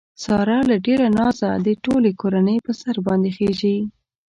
ساره له ډېره نازه د ټولې کورنۍ په سر باندې خېژي.